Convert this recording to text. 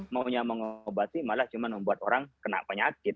maunya mengobati malah cuma membuat orang kena penyakit